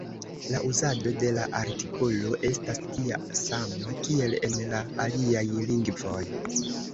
La uzado de la artikolo estas tia sama, kiel en la aliaj lingvoj.